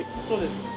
そうです。